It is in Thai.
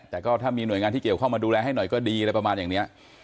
แต่ก็ถ้ามีหน่วยงานที่เกี่ยวข้องมาดูแลให้หน่อยก็ดีอะไรประมาณอย่างนี้